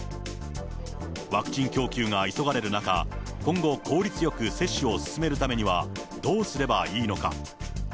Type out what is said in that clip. ワクチン供給が急がれる中、今後、効率よく接種を進めるためにはどうすればいいのか。